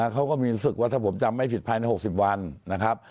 เขาก็มีรู้สึกว่าถ้าผมจำไม่ผิดภายใน๖๐วันนะครับ